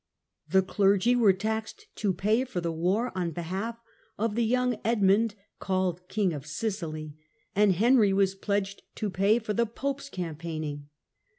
The clergy were taxed to pay for the war on behalf of the young Edmund, called King of Sicily, and Henry was pledged to pay for the pope's campaigning.